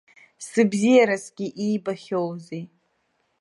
Сыбзиарасгьы иибахьоузеи!